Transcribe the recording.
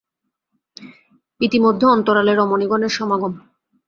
ইতিমধ্যে অন্তরালে রমণীগণের সমাগম।